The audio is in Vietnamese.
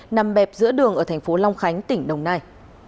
nằm bẹp giữa đường ở tp long khánh tỉnh đồng nai